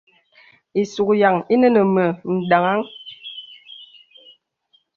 Ìsùk yàŋ ìnə mə daŋaŋ.